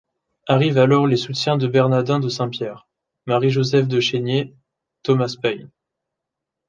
Arrivent alors les soutiens de Bernardin de Saint-Pierre, Marie-Joseph de Chénier, Thomas Paine.